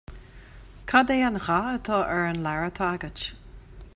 Cad é an dhath atá ar an leabhar atá agat